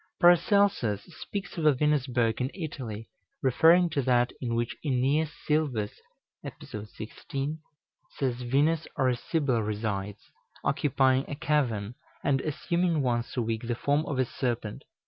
Paracelsus speaks of a Venusberg in Italy, referring to that in which Æneas Sylvius (Ep. 16) says Venus or a Sibyl resides, occupying a cavern, and assuming once a week the form of a serpent.